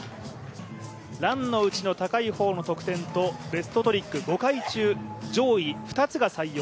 ランのうちの高い方の得点と、ベストトリック５回中上位２つが採用。